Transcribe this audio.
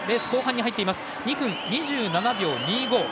２分２７秒２５。